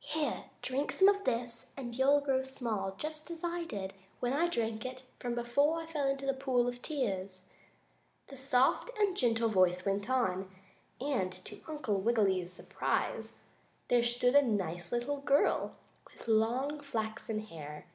"Here, drink some of this and you'll grow small just as I did when I drank from it before I fell into the pool of tears," the soft and gentle voice went on, and to Uncle Wiggily's surprise, there stood a nice little girl with long, flaxen hair.